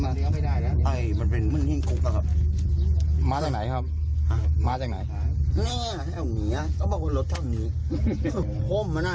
ผมนะไม่รู้หรอกว่ามันลองอยู่ตามใต้ได้ง่ายพวกนั้นได้ทำตัวเอง